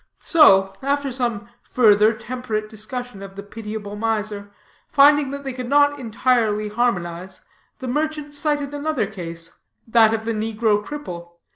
So, after some further temperate discussion of the pitiable miser, finding that they could not entirely harmonize, the merchant cited another case, that of the negro cripple.